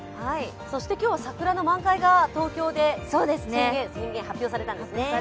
そして今日は桜の満開が東京で発表されたんですね。